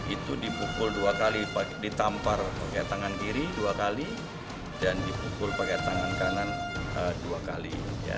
itu dipukul dua kali ditampar pakai tangan kiri dua kali dan dipukul pakai tangan kanan dua kali